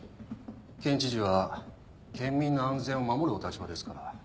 県知事は県民の安全を守るお立場ですから。